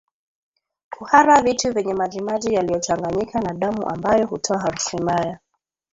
Kuhara vitu vyenye majimaji yaliyochanganyika na damuambayo hutoa harufu mbaya